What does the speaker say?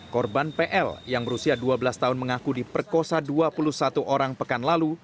korban pl yang berusia dua belas tahun mengaku diperkosa dua puluh satu orang pekan lalu